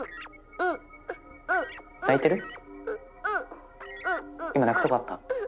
今泣くとこあった？